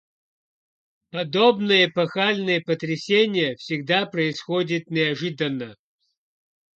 Подобные эпохальные потрясения всегда происходят неожиданно.